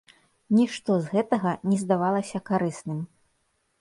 Нішто з гэтага не здавалася карысным.